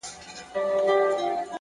مثبت فکرونه مثبت عادتونه زېږوي,